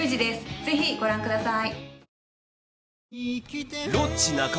ぜひご覧ください。